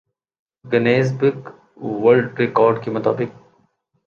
Guinness book world record کے مطابق